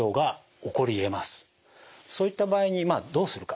そういった場合にどうするか。